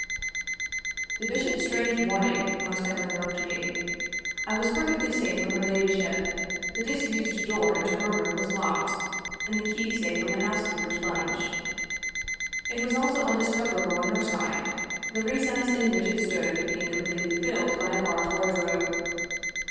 The bishop's strange warning must have unnerved me. I was perfectly safe from her ladyship. The disused door into her room was locked, and the key safe on the house keeper's bunch. It was also undiscoverable on her side, vthe recess in which it stood being completely filled by a large wardrobe.